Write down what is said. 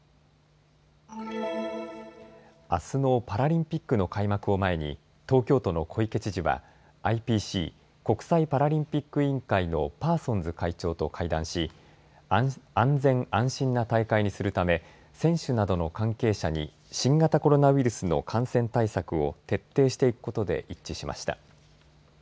あすのパラリンピックの開幕を前に東京都の小池知事はＩＰＣ・国際パラリンピック委員会のパーソンズ会長と会談し安全安心な大会にするため選手などの関係者に新型コロナウイルスの感染対策を徹底していくことで一致しました。